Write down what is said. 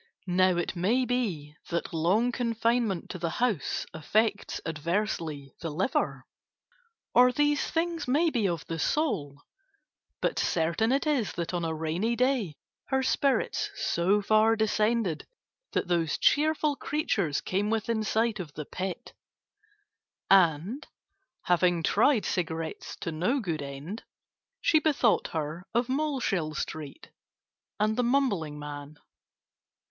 Now it may be that long confinement to the house affects adversely the liver, or these things may be of the soul, but certain it is that on a rainy day her spirits so far descended that those cheerful creatures came within sight of the Pit, and, having tried cigarettes to no good end, she bethought her of Moleshill Street and the mumbling man.